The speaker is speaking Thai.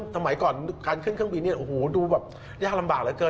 สมัยก่อนการขึ้นเครื่องบินเนี่ยโอ้โหดูแบบยากลำบากเหลือเกิน